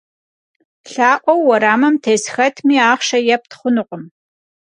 Lha'ueu vueramım tês xetmi axhşşe yêpt xhunukhım.